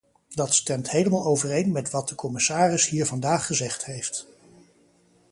Dat stemt helemaal overeen met wat de commissaris hier vandaag gezegd heeft.